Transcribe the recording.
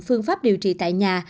phương pháp điều trị tại nhà